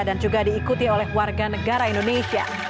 dan juga diikuti oleh warga negara indonesia